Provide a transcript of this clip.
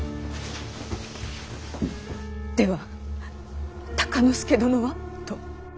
では敬之助殿は？と。